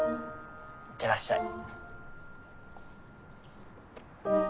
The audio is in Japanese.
いってらっしゃい。